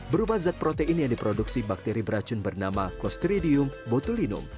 berupa zat protein yang diproduksi bakteri beracun bernama clostridium botulinum